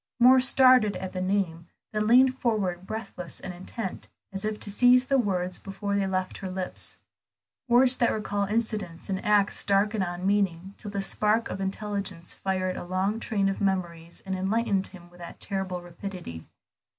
Moor started at the name, then leaned forward, breathless and intent, as if to seize the words before they left her lips; words that recalled incidents and acts dark and unmeaning till the spark of intelligence fired a long train of memories and enlightened him with terrible rapidity.